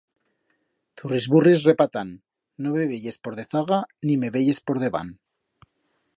Zurrisburris repatán, no me veyes por dezaga, ni me veyes por debant.